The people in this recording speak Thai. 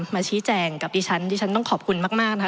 มาชี้แจงกับดิฉันดิฉันต้องขอบคุณมากนะคะ